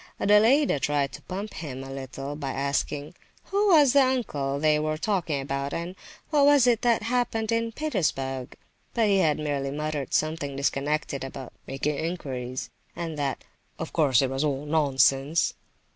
Adelaida tried to pump him a little by asking, "who was the uncle they were talking about, and what was it that had happened in Petersburg?" But he had merely muttered something disconnected about "making inquiries," and that "of course it was all nonsense."